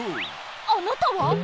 あなたは？